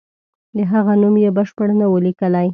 د هغه نوم یې بشپړ نه وو لیکلی.